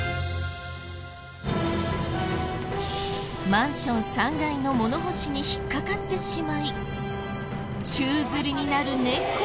マンション３階の物干しに引っかかってしまい宙づりになる猫。